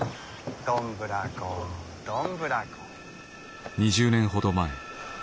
どんぶらこどんぶらこ。